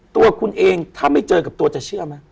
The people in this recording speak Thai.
ตัวคุณเองถ้าไม่เจอกับตัวจะเชื่อไหม